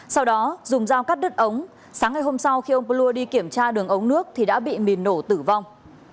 sau đó dùng dao cắt đứt ống sáng ngày hôm sau khi ông plua đi kiểm tra đường ống nước thì đã bị mìn nổ tử vong